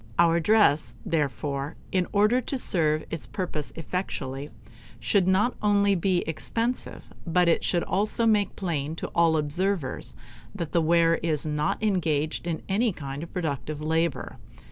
Our dress, therefore, in order to serve its purpose effectually, should not only he expensive, but it should also make plain to all observers that the wearer is not engaged in any kind of productive labor.